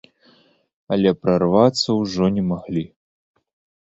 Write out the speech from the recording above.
Але прарвацца ўжо не маглі.